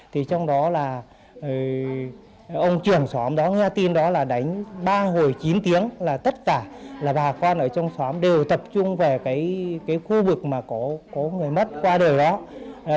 thì trong đó là ông trưởng xóm đó nghe tin đó là đánh ba hồi chín tiếng là tất cả là bà con ở trong xóm đều tập trung vào cái khu vực mà có người mất qua đời đó